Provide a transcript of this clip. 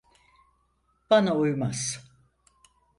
Bana uymaz.